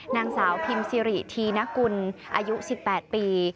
นางสาวพิมซิริธีนกุลอายุ๑๘ปี